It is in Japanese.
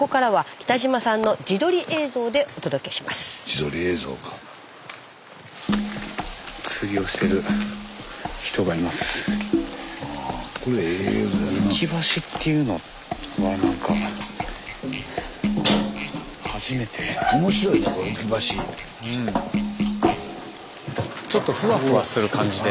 スタジオちょっとふわふわする感じで。